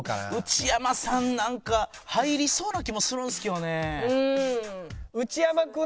内山さんなんか入りそうな気もするんすけどね。